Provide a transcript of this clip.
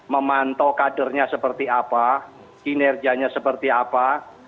memantau kadernya seperti apa kinerjanya seperti apa